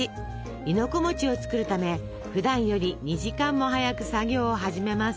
亥の子を作るためふだんより２時間も早く作業を始めます。